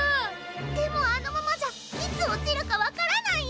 でもあのままじゃいつおちるかわからないよ！